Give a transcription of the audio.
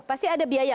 pasti ada biaya